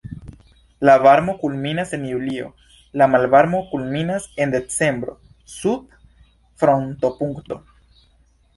La varmo kulminas en julio, la malvarmo kulminas en decembro sub frostopunkto.